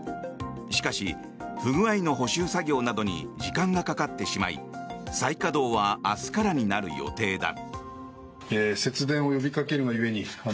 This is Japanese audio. しかし、不具合の補修作業などに時間がかかってしまい再稼働は明日からになる予定だ。